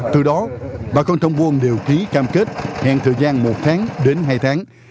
từ đó bà con trong buôn đều ký cam kết giãn thời gian một tháng đến hai tháng